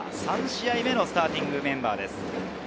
３試合目のスターティングメンバーです。